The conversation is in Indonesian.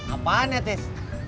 apaan ya tes